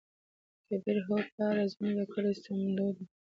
کبير : هو پلاره زموږ د کلي صمدو دى.